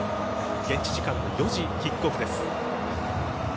現地時間の４時キックオフです。